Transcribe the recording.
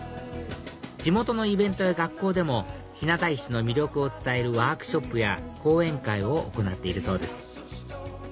地元のイベントや学校でも日向石の魅力を伝えるワークショップや講演会を行っているそうです